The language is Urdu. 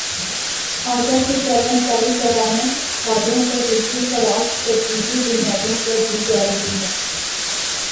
اعضا کی پیوند کاری کرانے والوں کو دوسری خوراک ترجیحی بنیادوں پر دی جارہی ہے